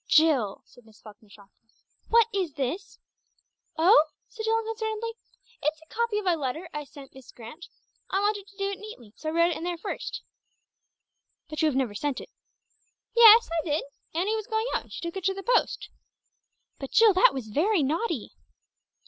"Jill," said Miss Falkner sharply, "what is this?" "Oh," said Jill unconcernedly, "it's a copy of a letter I sent Miss Grant. I wanted to do it neatly, so I wrote it in there first." "But you have never sent it?" "Yes, I did. Annie was going out, and she took it to the post." "But Jill, that was very naughty."